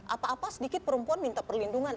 apa apa sedikit perempuan minta perlindungan